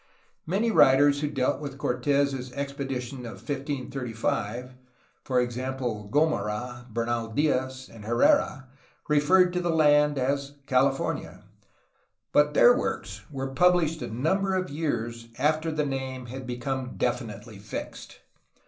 Many writers who dealt with Cortes' expedition of 1535, — for example, G6mara, Bernal Diaz, and Herrera, — referred to the land as "California," but their works were published a number of years after the name had become definitely fixed.